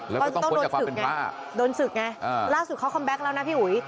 แล้วก็ต้องโดนศึกไงโดนศึกไงอ่าล่าสุดเขาคัมแบ็คแล้วนะพี่หุย